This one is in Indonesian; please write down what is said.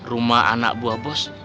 rumah anak buah bos